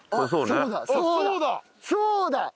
そうだ！